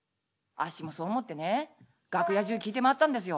「あっしもそう思ってね楽屋中聞いて回ったんですよ。